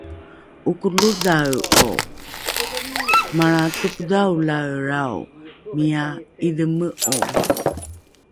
'Okolodhae'o, malra topodhaolaelrao miya 'idheme'o!